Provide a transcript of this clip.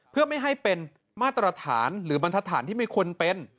เพื่อไม่ให้เป็นมาตรฐานหรือบรรทฐานที่ไม่ควรเป็น